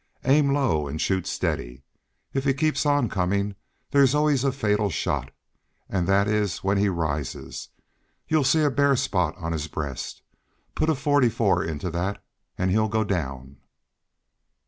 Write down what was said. Aim low, and shoot steady. If he keeps on coming there's always a fatal shot, and that is when he rises. You'll see a bare spot on his breast. Put a forty four into that, and he'll go down."